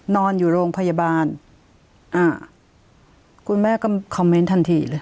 นอนอยู่โรงพยาบาลอ่าคุณแม่ก็คอมเมนต์ทันทีเลย